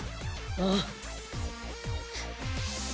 ああ。